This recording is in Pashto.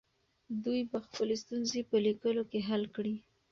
دوی به خپلې ستونزې په لیکلو کې حل کړي.